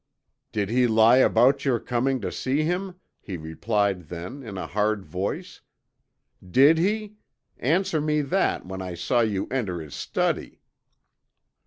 "'Did he lie about your coming to see him?' he replied then, in a hard voice. 'Did he? Answer me that, when I saw you enter his study!'